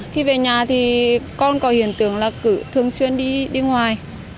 khi về nhà thì con có hiện tượng là thường xuyên đi đi ngoài